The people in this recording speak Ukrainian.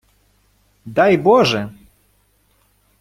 - Дай боже...